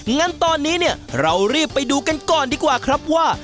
งั้นตอนนี้เนี่ยเรารีบไปดูกันก่อนดีกว่าครับว่า